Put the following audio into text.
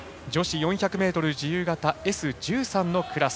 女子４００ｍ自由形Ｓ１３のクラス。